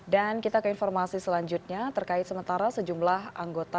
dan kita ke informasi selanjutnya terkait sementara sejumlah anggota